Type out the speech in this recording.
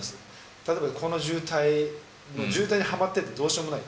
例えばこの渋滞、はまってて、どうしようもないと。